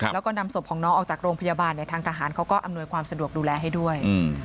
แล้วก็นำศพของน้องออกจากโรงพยาบาลทางทหารเขาก็อำนวยความสะดวกดูแลให้ด้วย